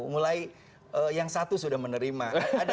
mulai yang satu sudah menerima